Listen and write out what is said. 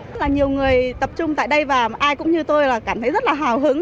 rất là nhiều người tập trung tại đây và ai cũng như tôi là cảm thấy rất là hào hứng